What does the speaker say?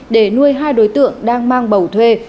để nuôi hai đối tượng đang mang bầu thuê